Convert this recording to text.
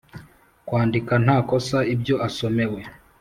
Kwandika nta kosa ibyo asomewe